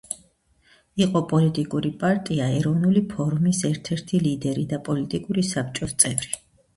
იყო პოლიტიკური პარტია „ეროვნული ფორუმის“ ერთ-ერთი ლიდერი და პოლიტიკური საბჭოს წევრი.